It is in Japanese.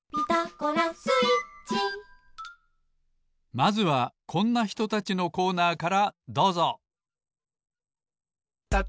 まずはこんなひとたちのコーナーからどうぞ。